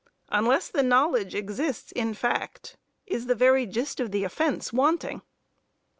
Unless the knowledge exists in fact, is the very gist of the offence is wanting.